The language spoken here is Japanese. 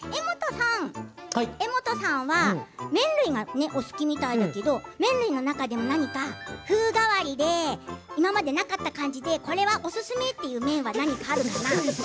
柄本さんは麺類がお好きみたいだけど麺類の中で、風変わりで今までなかった感じでこれはおすすめという麺はあるかな？